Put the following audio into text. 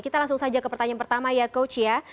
kita langsung saja ke pertanyaan pertama ya coach ya